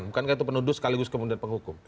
bukankah itu penuduh sekaligus kemudian penghukum